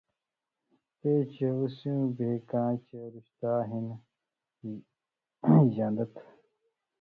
تے چےۡ اُو سېوں بھِیے کاں چے رُشتا ہِن ژن٘دہۡ تھہ،